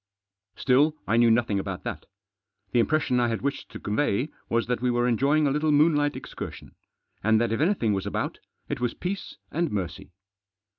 Still, I knew nothing about that. The impression I had wished to convey was that we were enjoying a little moonlight excursion, and that if anything was about, it was peace and mercy.